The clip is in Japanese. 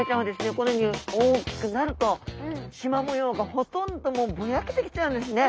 このように大きくなるとしま模様がほとんどもうぼやけてきちゃうんですね。